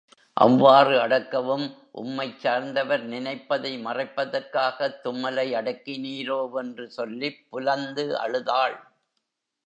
அவ்வாறு அடக்கவும் உம்மைச் சார்ந்தவர் நினைப்பதை மறைப்பதற்காகத் தும்மலை அடக்கினீரோ வென்று சொல்லிப் புலந்து அழுதாள்.